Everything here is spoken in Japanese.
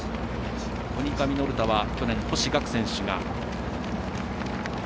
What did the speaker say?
コニカミノルタは去年星岳選手が。